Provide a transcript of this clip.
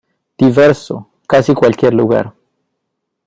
Diverso, casi cualquier lugar.